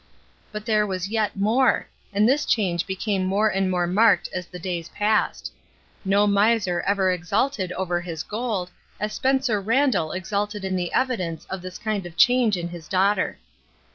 But there was yet more, and this change became more and more marked as the days passed. No miser ever exulted over his gold as Spencer Randall exulted in the evidence of this kind of change in his daughter.